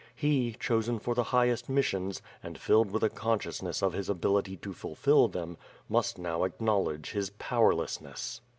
He, chosen for the highest missions, and filled with a consciousness of his ability to fulfill them — must now acknowledge his powerlessness.